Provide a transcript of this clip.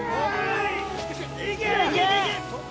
いけ！